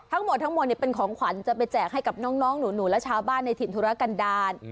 ทั้งหมดทั้งหมดเป็นของขวัญจะไปแจกให้กับน้องหนูและชาวบ้านในถิ่นธุรกันดาล